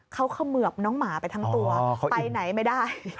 เขาเขมือบน้องหมาไปทั้งตัวไปไหนไม่ได้